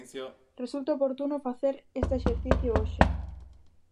Resulta oportuno facer este exercicio hoxe.